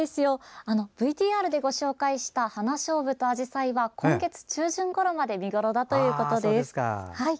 ＶＴＲでご紹介した花しょうぶとあじさいは今月中旬ごろまで見ごろだということです。